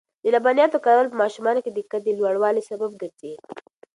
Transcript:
د لبنیاتو کارول په ماشومانو کې د قد د لوړوالي سبب ګرځي.